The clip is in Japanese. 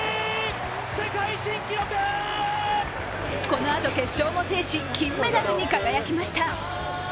このあと決勝も制し金メダルに輝きました。